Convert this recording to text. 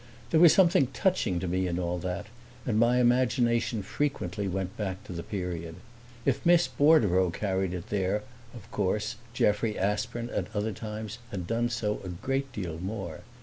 There was something touching to me in all that, and my imagination frequently went back to the period. If Miss Bordereau carried it there of course Jeffrey Aspern at other times had done so a great deal more.